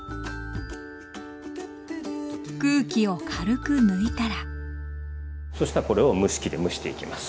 空気を軽く抜いたらそしたらこれを蒸し器で蒸していきます。